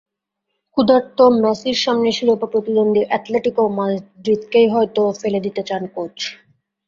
ক্ষুধার্ত মেসির সামনে শিরোপা প্রতিদ্বন্দ্বী অ্যাটলেটিকো মাদ্রিদকেই হয়তো ফেলে দিতে চান কোচ।